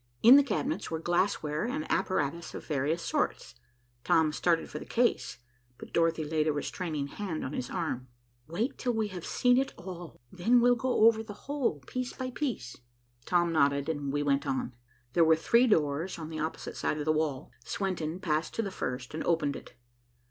In the cabinets were glass ware and apparatus of various sorts. Tom started for the case, but Dorothy laid a restraining hand on his arm. "Wait till we have seen it all. Then we'll go over the whole, piece by piece." Tom nodded, and we went on. There were three doors on the opposite side of the wall. Swenton passed to the first and opened it.